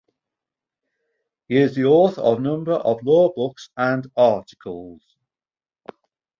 He is the author of number of law books and articles.